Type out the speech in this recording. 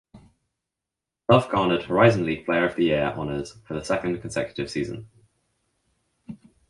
Love garnered Horizon League player of the year honors for the second consecutive season.